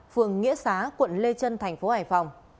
phường nghĩa xá quận lê trân thành phố hải phòng